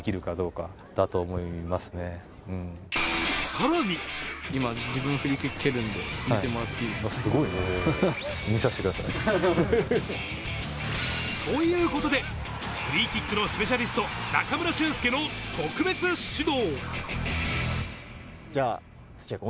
さらに。ということで、フリーキックのスペシャリスト・中村俊輔の特別指導。